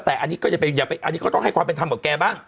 แต่นี้ก็ต้องไห้ความเป็นท่ำกับแกบ้าง